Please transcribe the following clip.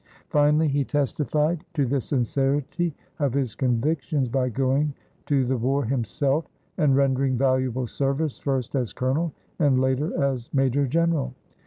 Finally he testified to the sincerity of his convictions by going to the war himself and rendering valuable service first as colonel and later as major general.